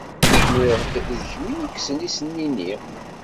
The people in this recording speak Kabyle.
Niɣ d kemm i yekksen isni-nni!